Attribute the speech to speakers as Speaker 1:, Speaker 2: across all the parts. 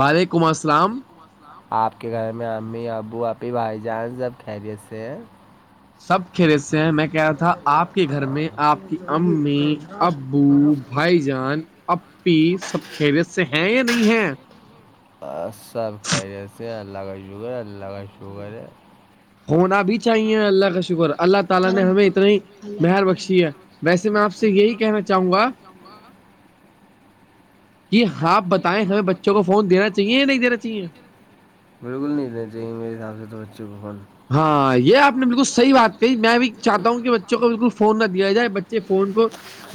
Speaker 1: وعلیکم السلام آپ کے گھر میں امی ابو ابھی بھائی جان سب خیریت سے ہیں
Speaker 2: سب کے رس سے ہیں میں کہہ رہا تھا آپ کے گھر میں آپ کی امی
Speaker 1: عبد الائیبائی سب ک سے لگ شکر ہے اللہ کا شکر ہے
Speaker 2: ہونا بھی چاہیے اللہ کا شکر اللہ تعالی نے ہمیں اتنا ہی بہر بخشی ہے ویسے میں آپ سے یہی کہنا چاہوں گا
Speaker 1: ہاں
Speaker 2: کہ آپ بتائیں ہمیں بچوں کو فون دینا چاہیے یا نہیں دینا چاہیے
Speaker 1: بالکل نہیں لینا چاہیے میرے حساب سے تو بچوں کو فون
Speaker 2: ہاں یہ آپ نے بالکل صح بات کہی میں بھی چاہتا ہوں کہ بچوں کو بالکل فون نہ دیا جائے بچے فون کو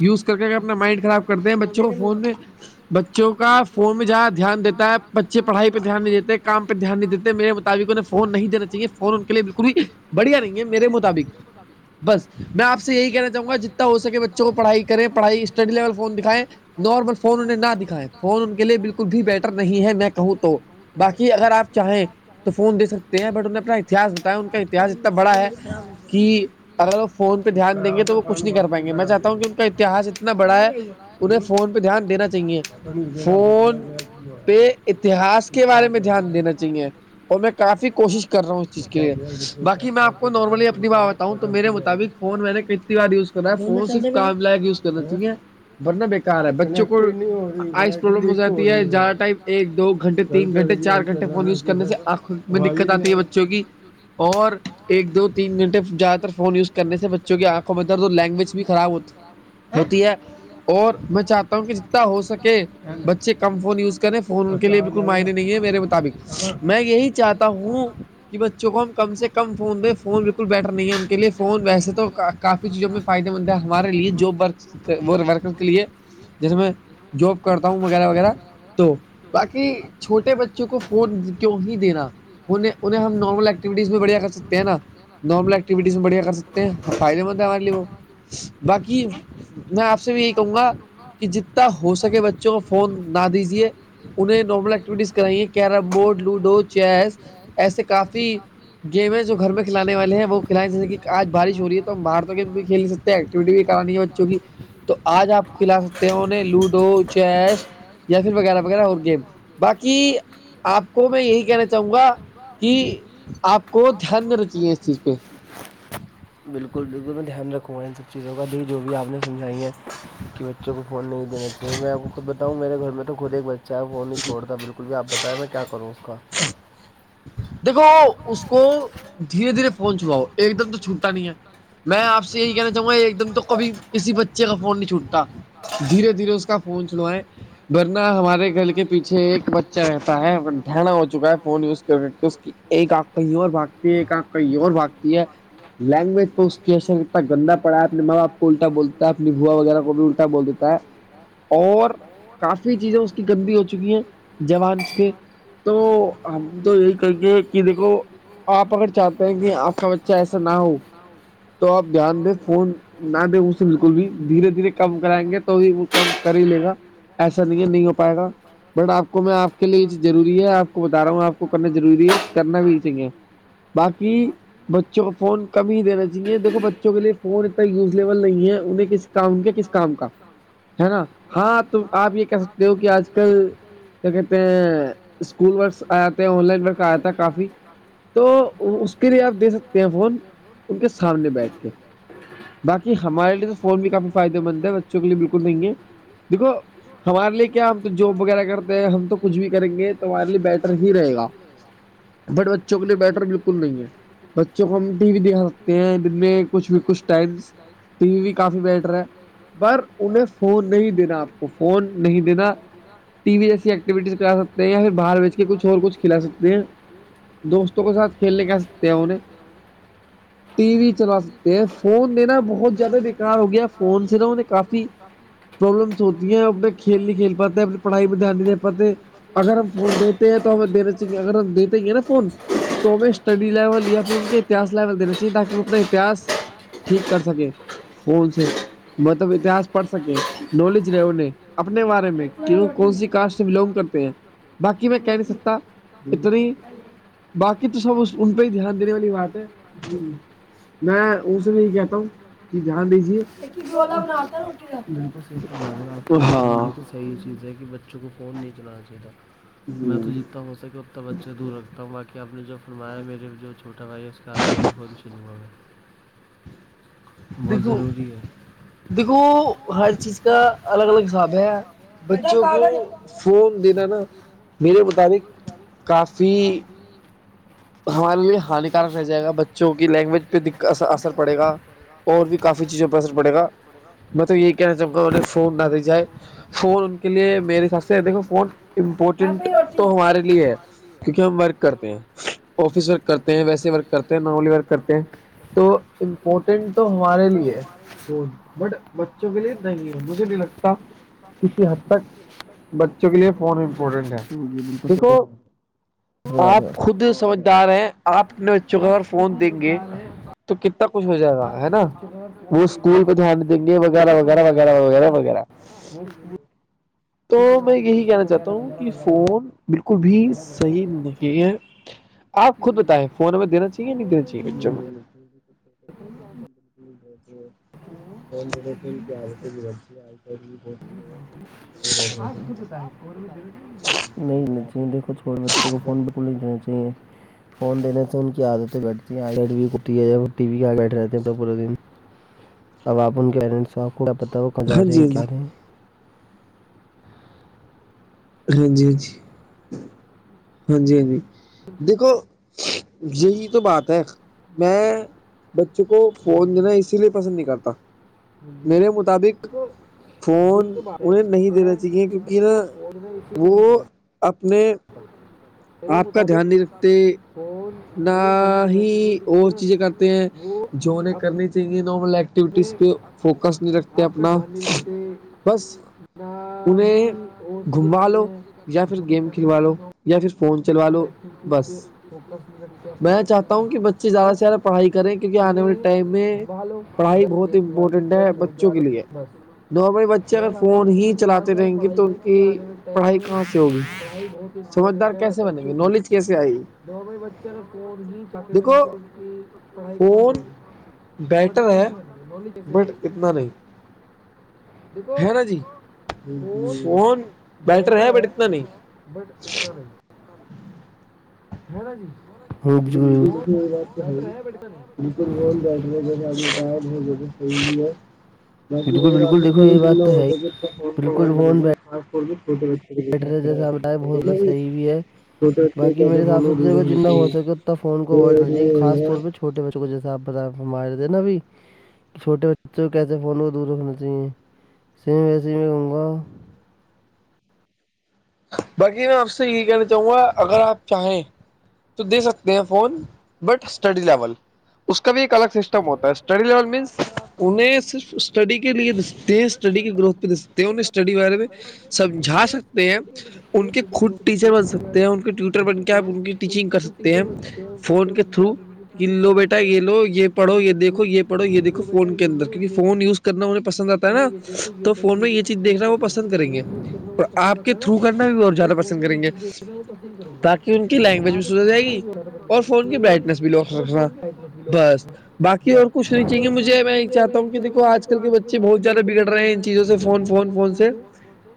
Speaker 2: یوز کر کے اپنا مائنڈ خراب کرتے ہیں بچوں کو فون میں بچوں کا فون میں جیادہ دھیان دیتا ہے بچے پڑھائی پہ دھیان نہیں دیتے کام پہ دھیان نہیں دیتے میرے مطابق انہ وہ نہیں دینا چاہیے ان کے لیے بالکل بھی بڑھیا نہیں ہے میرے مطابق بس میں آ سے یہی کہنا چاہوں گا جتنا ہوکے بچوں کو پڑائی کریں پڑھائی اسٹڈی لیول فون دکھائیں نارمل فون ان نے نہ دکھائیں فون ان کے لیے بالکل بھی بیٹر نہیں ہے میں کہوں تو باقی اگر آپ چاہیں تو فون سکتے ہیں بٹ انہیں پڑھائی ہاس بتاائے ان کا اتہس اتنا بڑا ہے کہ اگر وہ فون پہ دھیان دیں گے تو وہ کچ نہیں کر پائیںے میں چاہتا ہوں کہ ان کا اتہس اتنا بڑا ہے انہیں فون پہ دھیان دینا چاہیے چاہے فون پہ اتہاس کے بارے میں دھیان دینا چاہیے اور میں کافی کوشش کر رہا ہوں بای میں آپ کو نارملی اپنی باں بتاؤں تو میرے مطابق فون میں نے یوز کرنا ہے صرف کام لائ یز کرنا چاہیے ورنہ بےیکار ہے بچوں کو آ پرلم ہو جاتی ہے زیادہ ٹائم ایک دو گنٹے تین گھنٹے چار گھنٹے فون یوز کرنے سے دقت آتی ہے بچوں کی اور ایک دو تین گھنٹے زیادہ تر فون یوز کرنے سے بچوں کی آنکھوں میںترد لینگویج بھی خراب ہوتی ہوتی ہے اور میں چاہتا ہوں کہ ہو سکے بچے کم فون یوز کریں فون کے لیے بالکل معائنی نہیں ہے میرے مطابق میں یہی چاہتا ہوں کہ بچوں کو ہم کم سے کم فون دیں فون بالکل بیٹر نہیں ہے ان کے لیے فون ویسے تو کافی چیزوں میں فائدے مند ہے ہمارے لیے جو ورک وہ ورکر کے لیے جیس ہم میں جاب کرتا ہوں وغیرہ وغیرہ تو باقی چھوٹے بچوں کو فون کیوں ہی دینا ہونے انہیں ہم نارمل ایکٹیوٹیز میں بڑھیا کر سکتے ہیں نا نارمل ایکٹیوٹیز میں بڑیا کر سکتے فائدے مند ہے ہمارے وہ
Speaker 1: [unintelligible]
Speaker 2: ہو سکے بچوں کو فون نہ دیجیے انہیں نارمل ایکٹیوٹیز کرائیے کیرم بورڈ لوڈو چیس ایسے کافی گیم ہیں جو گھر میں کھانے والے ہیں وہ کھلائیں جیسے کہ آج بارش ہو رہی ہے تو ہم بار تو گیم بھی کھیل سکتے ایکٹیوٹی بھی کرانی ہے بچوں کی تو آج آپ کھلا سکتے ہیں اور لوڈو چیس یا پھر وغیرہ وغیرہ ہو گیم باقی آپ کو میں یہی کہنا چاہوں گا کہ آپ کو دھیان ر چیے اس چیز پہ
Speaker 1: بالکل بالکل میں دھیان رکھوں گا ان سب چیزوں کا بھی جو بھی آپ نے سمجائے کہ ب فون نہیں دین چاہے میں آپ کو خود بتاؤں میرے گھر میں تو خود ایک بچہ ہے فون نہیں چھوڑتا بالکل کل بھی آپ بتائیں میں کیا کروں اس کا
Speaker 2: دیکھو اس کو دھیرے دھیرے فون چھواؤ ایک دم تو چھوٹتا نہیں ہے میں آپ سے یہی کہنا چاہوں گا ایک دم تو کبھی کسی بچے کا فون نہیں چھوٹتا دھیرے دھیرے اس کا فون چھلویں ورنہ ہمارے گھر کے پیچھے ایک ب اچا رہتا ہے ڈنا ہو چکا ہے فون یوز کر کہ اس کی ایک آنکھ کہیں اور بھاگتی ہے ایک آنکھ کہیں اور بھگتی ہے لینگویج پ اس کی اثر اتنا گندا پڑا اپنے ماں بپ کو الٹا بولتا ہے اپنی بو وغیرہ کو بھی الٹا بول دیتا ہے اور کافی چیزیں اس کی گندی ہو چکی ہیں جوان کے تو ہم تو ایک کیہ کہ دیکھو آپ اگر چاہتے ہیں کہ آپ کا بچہ ایسا نہ ہو تو آپ دھیان دیں فون نہ دیں اس سے بالکل بھی دھیرے دھیرے کم کرائیں گے تو بھی وہ کم کر ہی لے گا ایسا نہیں نہیں ہو پائے گا بٹ آپ کو میں آپ کےے یہز ضروری ہے آپ کو بتا رہا ہوں آپ کو کرنا ضری ہے کرنا بھی چاہیے باقی بچوں کو فون کم ہی دینا چاہ جی دیکھو بچوں کے لیے فون اتنا یوز لیبل نہیں ہے انہیں کس کام کے کس کام کا
Speaker 1: ہے نا ہاں تو آ جے کہاں دیک کے آج کل کہتے
Speaker 2: اسکول ورک آیا تھے آن لائن ورک آیا تھا کافی تو اس کے لیے آپ دے سکتے ہیں فون ان کے سامنے بیٹھ کے باقی ہمارے لیے تو فون بھی کافی فائدہ بند ہے بچوں کےے بالکل نہیں ہے دیکھو ہمارے لیے کیا ہم تو جاب وغیرہ کرتے ہیں ہم تو کچھ بھی کریں گے تو ہمارے لیے بیٹر ہی رہے گا بٹ بچوں کے لیے بیٹر بالکل نہیں ہے بچوں کو ہم ٹی وی د سک دن میں کچھ بھی کچھ ٹائمس ٹی وی بھی کافی بیٹر ہے
Speaker 1: [unintelligible]
Speaker 2: ٹی وی جیسی ایکٹیویٹیز کرا سکتے ہیں یا پھر باہر بیچ کے کچ اور کچھ کھلا سکتے ہیں دوستوں کے ساتھ کھیلنے کیا سکتے ہیں انہیں ٹی وی چلا سکتے ہیں فون دینا بہت زیادہ بےیکار ہو گیا فون
Speaker 1: [unintelligible]
Speaker 2: پرابلمس ہوتی ہیں اپنے کھیل نہیں کھیل پاتے اپنی پڑھائی میں دھیان نہیں د پاتے اگر ہم فون د ہیں تو ہمیں دینا چاہیے اگر ہم دیتے ہیں نا فون تو ہمیں اسٹڈی لیول یا پھر ان کے اتہس لیول دینا چاہیے تاکہ اپنے پیاس ٹھیک کر سکے فون سے مطلب اتہس پڑھ سکے نالج رہ انہیں اپنے بارے میں کیوں کون سی کاسٹ سے بلانگ کر [unintelligible]
Speaker 1: بسی میں کہتی
Speaker 2: باقی تو سب ان پہ ہی دھیان دینے والی بات ہے
Speaker 1: جی میں جم دان بن بالکل صحی تومارے ہ آپ کی باتوں میں دیکھیے صحیح چیز ہے کہ بچوں کو فون نہیں چلانا چاہیتا میں تو جتنا ہو سکے اتنا بچے دور رکھتا ہوں باقی کہ آپ نے جو فرمایا ہے میرے جو چھوٹا بھائی ہے اس کے ہاتھ سے بھی خود چن ہوا ہے بہت ضروری ہے
Speaker 2: دیکھو ہر چیز کا الگ الگ حساب ہے بچوں کو فون دینا نا
Speaker 1: نے بتا
Speaker 2: کافی ہمارے لیے ہانیکارک رہ جائے گا بچوں کی لینگویج پہ اثر پڑے گا اور بھی کافی چیزوں پر اثر پڑے گا میں تو یہی کہنا چاہوں گا انہیں فون نہ دے جائے فون ان کے لیے میرے حساب سے دیکو فون امپورٹنٹ تو ہمارے لیے ہے کیونکہ ہم ورک کرتے ہیں آفس ورک کرتے ہیں ویسے ورک کرتے ہیں نالی ورک کرتے ہیں تو امپورٹینٹ تو ہمارے لیے بٹ بچوں کے لیے نہیں ہے مجھے نہیں لگتا کسی حد تک بچوں کے لیے فون امپورٹنٹ ہے تو آپ خود سمجھدار ہیں آپ اپنے چغور فون دیں گے تو کتنا کچھ ہو جائے گا ہے نا وہ اسکول کو دھیان دیں گے وغیرہ وغیرہ وغیرہ وغیرہ وغیرہ
Speaker 1: موش
Speaker 2: تو میں یہی کہنا چاہتا ہوں کہ فون بالکل بھی صحیح نہیں ہے آپ خود بتائیں فون ہم دا چاہیے نہیں دینا چاہیے کہ بیا آ
Speaker 1: ا نہیں دیکھو چھوٹے بچوں کو فون بالکل نہیں دینا چاہیے فون دنے تو ان کی عادتیں بیٹھتی ہیں آ بیٹ کٹی ہے یاٹیی آ بیٹھ رہتے ہیں تو پورے دن اب آپ ان کے ایرنٹس آقو بتاؤ کہاں جا رہے ہیں کیا رہ
Speaker 2: ہاں جی ہاں جی ہاں جی ہاں جی دیکھو یہی تو بات ہے میں بچوں کو فون دینا اسی لیے پسند نہیں کرتا میرے مطابق فون انہیں نہیں دینا چاہیے کیونکہ نا
Speaker 1: میں
Speaker 2: وہ اپنے
Speaker 1: ہاں
Speaker 2: آپ کا دھیان نہیں رکھتے نہ ہی اور چیزیں کرتے ہیں جویں کرنی سنگگ نارمل ایکٹیوٹیز پہ فوکس نہیں رکھتے اپنا بس انہیں گھوموا لو یا پھر گیم کھلوا لو یا پھر
Speaker 1: فوکس کے اناس تمہیں بالو گھر گیمسوالو گھر ڈالو بس میں رہتا ہوں کہ بچے زیادہ سے زیادہ پڑھائی کر کیکہ آگے بول دتے ہیں
Speaker 2: بنیں گے نالج کیسے آئی
Speaker 1: دو بئی بچے فون نہیں پھاتے رہیں کہ ان کی پڑھائی کہاں رہگی تو وہ تب کیسے ہونا بونی کیس آئی دیکھو فون بہتر ہے بٹ اتنا نہیں نا جی بیٹر بی
Speaker 2: فٹ بال بیٹھنےتات صحیح ہے بای ویرہ ج جلہ ہوتا ہے فون کرسپ فوٹو
Speaker 1: بیٹر جیسے آپ بٹائ بہت زد صحیح بھی ہے باقی میرے حساب سے تو دیکھو جتنا ہو سکے فون کو اوائڈنا چاہیے خا طور پہ چھٹے بچوں کو جیسےپ ب مار دے نابھی چھوٹے بچوں کیسے فون کو دور رکھنا چاہیے سیم ویسے ہی میں کہوں گا
Speaker 2: باقی میں آپ سے یہی کہنا چاہوں گا اگر آپ چاہیں تو دے سکتے ہیں فون بٹ اسٹڈی لیول اس کا بھی ایک الگ سسٹم ہوتا ہے اسٹڈی لیول مینس انہیں صرف اسٹڈی کے لیے تیز اسٹڈی کی گروھ پہ انہیں اسٹڈی بارے میں سمجا سکتے ہیں ان کے خود ٹیچر بن سکتے ہیں ان کے ٹیوٹر بن کے آپ ان کی ٹیچنگ کر سکتے ہیں فون کے تھرو کن لو بیٹا یہ لو یہ پڑو یہ دیکو یہ پڑو یہ دھو فون کے اندر کیونک فون وز کرنا انہیں پسند آتا ہے نا تو فون میں یہ چیز دیکھنا وہ پسند کریں گے اور آپ کے کرنا بھی اورہ زیادہ پسند کریں گے تاکہ ان کی لینگویج بھی سدا جائے گی اور فون کی برائٹنیس بھی لوس رکھنا بس باقی اور کچھ نہیں چاہے مجھے میں چاہتا ہوں یکو آج کل کے بہت زیادہ بگڑ رہے ہیں ان چیزوں سے فون فون فون سے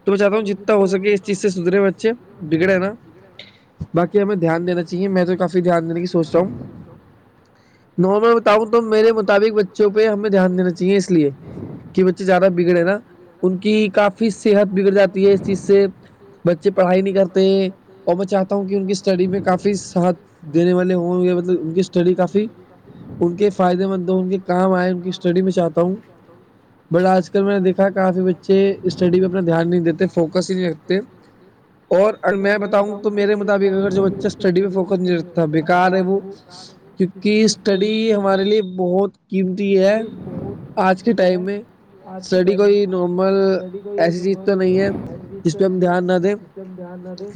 Speaker 2: تو میں چاہتا ہوں جتنا ہو سکے سدرے مھے بگڑا ہے نا باقی ہمیں دھیان دینا چاہیے میں تو کافی دھیان دینے کی سوچ رہا ہوں نو میں بتاؤں تو میرے مطابق بچوں پہ ہمیں دھیان دینا چاہیے اس لیے کہ بچے زیادہ بگڑے نا ان کی کافی صحت بگڑ جاتی ہے اس چیز سے بچے پڑھائی نہیں کرتے ہیں اور میں چاہتا ہوں کہ ان کی اسٹڈی میں کافی ساتھ دینے والے ہوں گے مطلب ان کی اسٹڈی کافی ان کے فائدے مند ہ ان کے کام آئے ان کی اسٹڈی میں چاہتا ہوں
Speaker 1: ب آج کو میں دکھا کافی بچے اس مڈ پر دھیان نہیں دیتے فوکس ہی رکھتے
Speaker 2: اور میں بتاؤں تو میرے مطابق اگر جو بچہ اسٹڈی پہ فوکس نہیں رکھتا بکار ہے وہ کیونکہ اسٹڈی ہمارے لیے بہت قیمتی ہے آج کے ٹائم میں اسٹڈی کوئی نارمل ایسی چیز تو نہیں ہے ج پہ ہم دھیان نہ دیں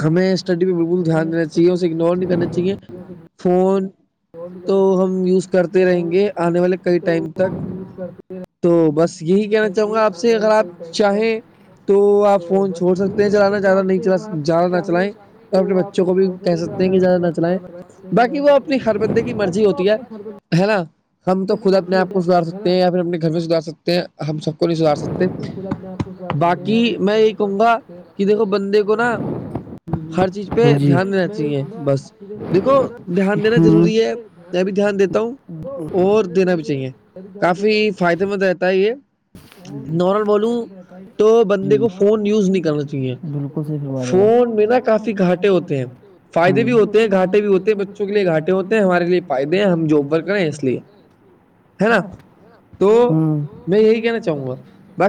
Speaker 2: ہمیں اسٹڈی پہ بالکل دھیان دینا چاہیے اس اگنور نہیں کرنا چاہیے فون تو ہم یوز کرتے رہیں گے آنے والے کئی ٹائم تک تو بس یہی کہنا چاہوں گا آپ سے اگر آپ چاہیں تو آپ فون سکتے ہیں چلانا زیادہ نہیں چ زیادہ نہ چلائیں اور اپنے بچوں کو بھی کہہ سکتے ہیں کہ زیادہ نہ چلیں باقی وہ اپنی ہر بندے کی مرضی ہوتی ہے ہے نا ہم تو خود اپنے آپ کو سدار سکتے ہیں یا پھر اپنے گھر میں سدھار سکتے ہیں ہم سب نہیں سدار سکتے باقی میں یہی کہوں گا کہ دیکھو بندے کو نا ہر چیز پہ دھیان دینا چاہیے بس دیکھو دھیان دینا ضروری ہے میں بھی دھیان دیتا ہوں
Speaker 1: وہ تاری لی دندگی ہے تبھی دھیان دیتا ہوں تو فائدہتا ہے جی [inaudible] بالکل صحی فرما رہے ہیں اپ فائدے بھی ہوتے ہیں گھاٹے بھی ہوتے بچے کے لیے گھاٹے ہوتے ہیں ہمارے فد ہاں ہ [inaudible] یہی کہنا چاہوں گے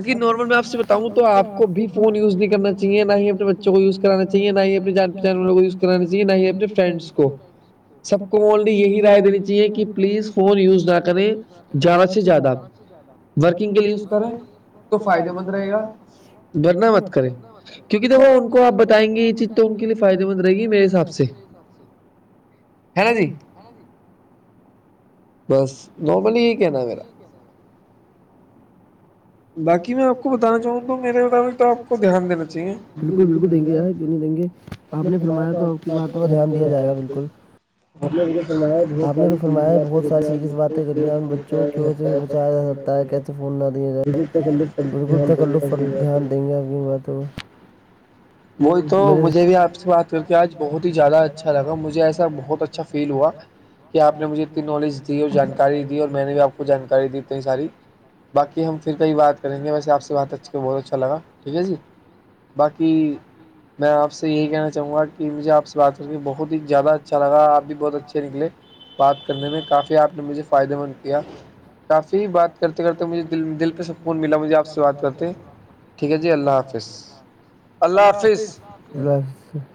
Speaker 1: باقی ن آپ کییت ہے آپ تو بھی فون یوز بھی کر چاہے نہ ہی بچ یوز کرانا چاہیے نہ ہی جان یوز کرا چاہی نہ ہی یہ پ فین ا [inaudible] سب کو مونلی یہی رائے دیلتی ہے کہ پلیز فون یوز نہ کرے زیادہ سے زیادہ
Speaker 2: ورکنگ کے لیے یوز کریں تو فائدے مند رہے گا ورننا مت کریں کیونوںہ دیکھو ان کو آپ بتائیں گے یہ چیز تو ان کے لیے فائدے مند رہے گی میرے حساب سے ہیلا جی بس نارملی یہی کہنا ہے میرا
Speaker 1: بالکل بالکل دیں گے کیوں نہیں دیں گے آپ نے فرمایا تو آپ کی باتوں کا دھیان دیا جائے گا بالکل آپ نے جو فرمایا بہت ساری سیریز باتیں کریں ہیں ان بچوں کے وسے بھی بچایا جا سکتا ہے کیسے فون نہ دیا جائے بالکل تک لو دھیان دیں گے میںتب
Speaker 2: وہی تو مجھے بھی آپ سے بات کر کے آج بہت ہی زیادہ اچھا لگا مجھے ایسا بہت اچھا فیل ہوا کیا آپ نے مجھے اتنی نالج دی اور جانکاری دی اور میں نے بھی آپ کو جانکاری دی اتنی ساری باقی ہم پھر ک ہی بات کریں گے ویسے آ سے بات اچھے بہت اچھاگا ٹھیک ہے جی
Speaker 1: باقی
Speaker 2: میں آ سے یہی کہنا چاہوں گا کہ مجھے آ سے بات کر کے بہت ہی زیادہ اچھا لگا آپ بھی بہت اچھے نلے بات کرنے میں کافی آپ نے مجھے فائدے مند کیا کافی بات کرتے کرتے مجھے د دل پہ سکون ملا مجھے آپ سے بات کرتے ٹھیک ہے جی اللہ حافظ اللہ حافظ
Speaker 1: بس